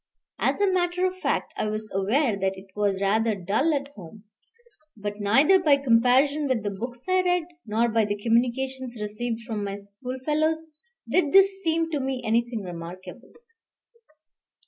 As a matter of fact, I was aware that it was rather dull at home; but neither by comparison with the books I read, nor by the communications received from my school fellows, did this seem to me anything remarkable.